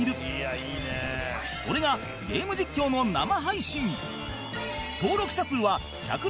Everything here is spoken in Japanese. それがゲーム実況の生配信